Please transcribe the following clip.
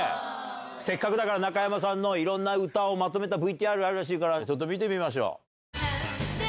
せっかくだから中山さんのいろんな歌をまとめたＶＴＲがあるらしいから、ちょっと見てみましょう。